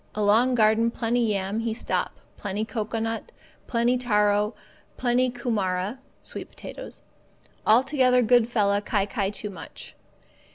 Along garden plenty yam he stop, plenty cocoanut, plenty taro, plenty kumara (sweet potatoes), altogether good fella kai kai too much.